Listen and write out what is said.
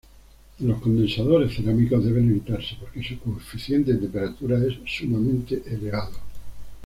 Los condensadores cerámicos deben evitarse, porque su coeficiente de temperatura es sumamente elevado.